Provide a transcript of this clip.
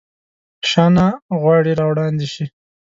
شاه نه غواړي راوړاندي شي.